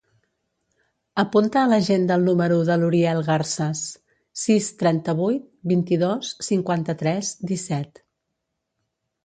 Apunta a l'agenda el número de l'Uriel Garces: sis, trenta-vuit, vint-i-dos, cinquanta-tres, disset.